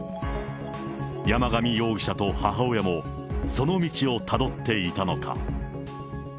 山上容疑者と母親も、その道をたどっていたのか。